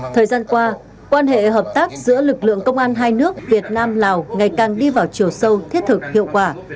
thời gian qua quan hệ hợp tác giữa lực lượng công an hai nước việt nam lào ngày càng đi vào chiều sâu thiết thực hiệu quả